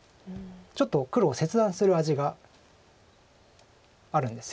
ちょっと黒を切断する味があるんです。